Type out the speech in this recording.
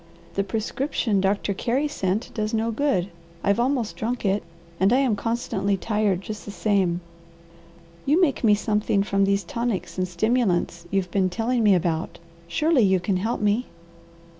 The prescription Doctor Carey sent does no good. I've almost drunk it, and I am constantly tired, just the same. You make me something from these tonics and stimulants you've been telling me about. Surely you can help me!"